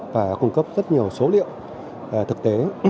và cung cấp rất nhiều số liệu thực tế